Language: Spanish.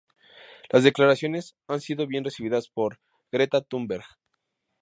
Las declaraciones han sido bien recibidas por Greta Thunberg.